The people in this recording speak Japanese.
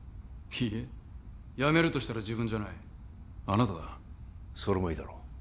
ＤＣＵいいえ辞めるとしたら自分じゃないあなただそれもいいだろう